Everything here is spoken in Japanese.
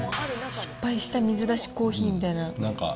失敗した水出しコーヒーみたいな。